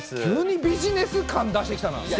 急にビジネス感出してきたな。